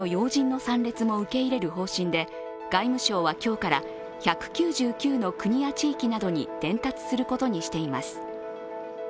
政府は海外からの要人の参列も受け入れる方針で外務省は今日から１９９の国や地域などに伝達することにしています。